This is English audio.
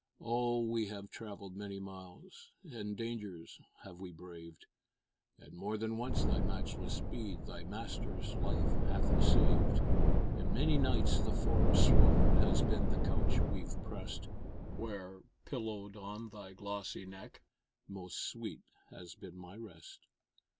Oh! we have travelled many miles, And dangers have we braved; And more than once thy matchless speed Thy master's life hath saved; And many nights the forest sward Has been the couch we've pressed, Where, pillowed on thy glossy neck, Most sweet has been my rest.